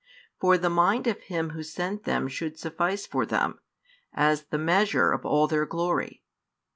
For the mind of Him Who sent them should suffice for them, as the measure of all their glory.